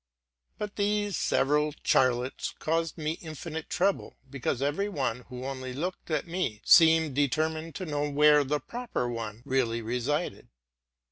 But these several Charlottes caused me infinite trouble, because every one who only looked at me seemed determined to know where the proper one really resided.